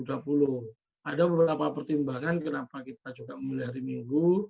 ada beberapa pertimbangan kenapa kita juga memilih hari minggu